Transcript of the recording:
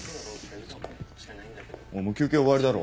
おいもう休憩終わりだろ。